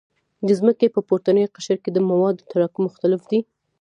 د ځمکې په پورتني قشر کې د موادو تراکم مختلف دی